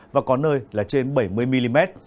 và có nơi là trên bảy mươi mm